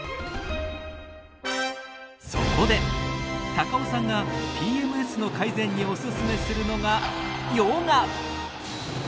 そこで高尾さんがＰＭＳの改善にオススメするのがヨガ。